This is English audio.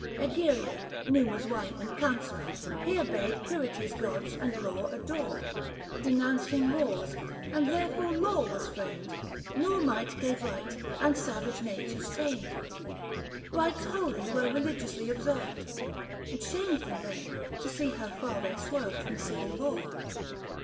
Egeria, Numa's wife and counsellor, Here bade Quirites gods and law adore, 295 Denouncing wars — and therefore Law was framed, Nor might gave right, and savage natures tamed, Rites holy were religiously observed. It shamed them, then, to see how far they swerved From Civil Law.